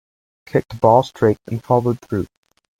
Kick the ball straight and follow through.